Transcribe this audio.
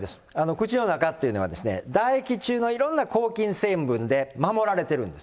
口の中っていうのは、唾液中のいろんな抗菌成分で守られてるんです。